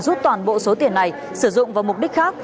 rút toàn bộ số tiền này sử dụng vào mục đích khác